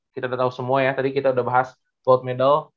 kita udah tau semua ya tadi kita udah bahas gold medal